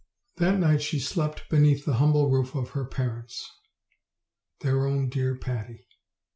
That night she slept beneath the humble roof of her parents their own dear Patty.